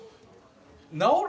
治る。